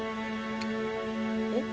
「えっ？